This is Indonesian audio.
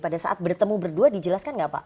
pada saat bertemu berdua dijelaskan nggak pak